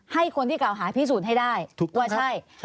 ให้คนที่เก่าหาพิสูจน์ให้ได้ว่าใช่